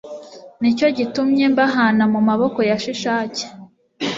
ni cyo gitumye mbahana mu maboko ya shishaki